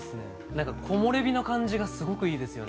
なんか木漏れ日の感じがすごくいいですよね。